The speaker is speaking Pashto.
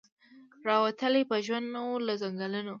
را وتلی په ژوند نه وو له ځنګلونو